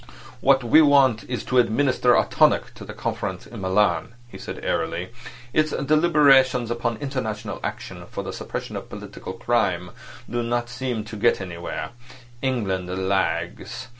"What we want is to administer a tonic to the Conference in Milan," he said airily. "Its deliberations upon international action for the suppression of political crime don't seem to get anywhere. England lags.